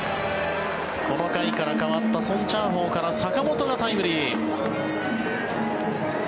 この回から代わったソン・チャーホウから坂本がタイムリー。